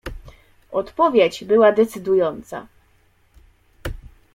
"Odpowiedź była decydująca."